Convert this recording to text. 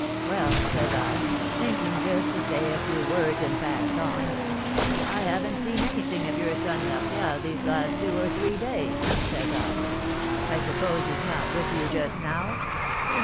Well, says I, thinking just to say a few words and pass on, 'I haven't seen anything of your son Martial these last two or three days,' says I, 'I suppose he's not with you just now?'